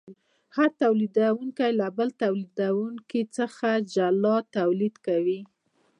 هر تولیدونکی له بل تولیدونکي څخه جلا تولید کوي